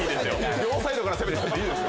両サイドから攻めて来てます。